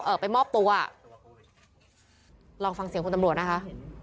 ไปมอบตัวลองฟังเสียงคุณตำรวจนะคะ